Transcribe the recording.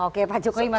oke pak jokowi masukin